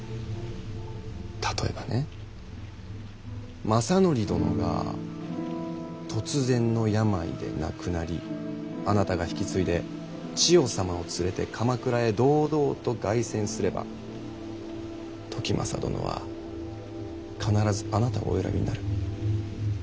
例えばね政範殿が突然の病で亡くなりあなたが引き継いで千世様を連れて鎌倉へ堂々と凱旋すれば時政殿は必ずあなたをお選びになる。